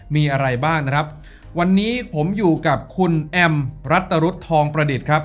มีอะไรบ้างนะครับวันนี้ผมอยู่กับคุณแอมรัตรุธทองประดิษฐ์ครับ